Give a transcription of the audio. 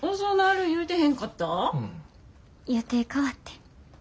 予定変わってん。